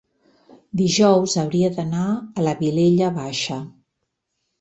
dijous hauria d'anar a la Vilella Baixa.